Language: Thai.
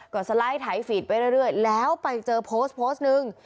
ก็สไลด์ถ่ายฟีดไปเรื่อยแล้วไปเจอโพสต์โพสต์นึง